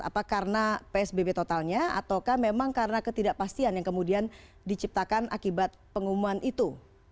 apa karena psbb totalnya ataukah memang karena ketidakpastian yang kemudian diciptakan akibat pengumuman itu